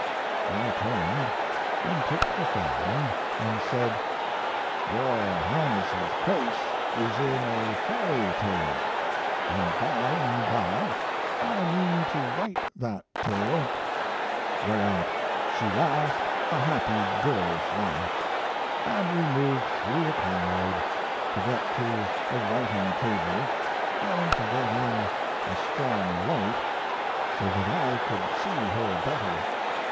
I turned & took the fan & said, "Your Highness's place is in a fairy tale; & by & by I mean to write that tale," whereat she laughed a happy girlish laugh, & we moved through the crowd to get to a writing table & to get in a strong light so that I could see her better.